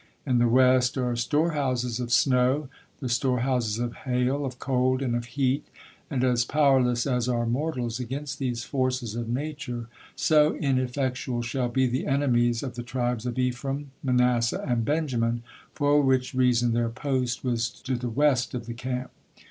In the West are storehouses of snow, the storehouses of hail, of cold, and of heat, and as powerless as are mortals against these forces of nature, so ineffectual shall be the enemies of the tribes of Ephraim, Manasseh, and Benjamin, for which reason their post was to the West of the camp.